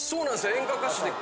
演歌歌手で。